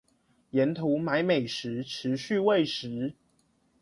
沿途買美食持續餵食